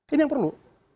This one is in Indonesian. ini yang perlu